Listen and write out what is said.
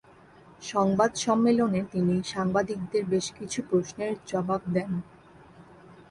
সংবাদ সম্মেলনে তিনি সাংবাদিকদের বেশকিছু প্রশ্নের জবাব দেন।